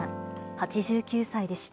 ８９歳でした。